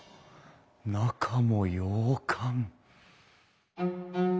中も洋館。